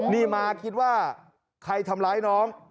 นี่มาคิดว่าใครทำร้ายน้อง